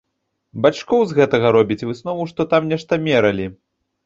Бачкоў з гэтага робіць выснову, што там нешта мералі.